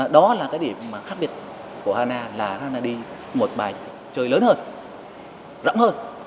đó là cái điểm khác biệt của hana là hana đi một bài chơi lớn hơn rộng hơn